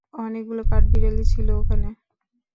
অনেকগুলো কাঠবিড়ালি ছিল ওখানে।